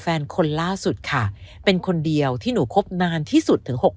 คนล่าสุดค่ะเป็นคนเดียวที่หนูคบนานที่สุดถึง๖๐